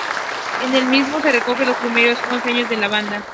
En el mismo se recoge los primeros once años de la banda.